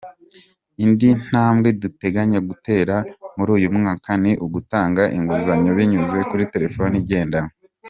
Indi ntambwe duteganya gutera muri uyu mwaka ni ugutanga inguzanyo binyuze kuri telefoni igendanwa.